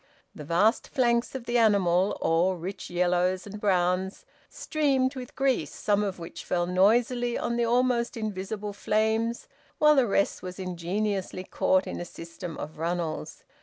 The vast flanks of the animal, all rich yellows and browns, streamed with grease, some of which fell noisily on the almost invisible flames, while the rest was ingeniously caught in a system of runnels.